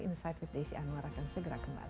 insight with desi anwar akan segera kembali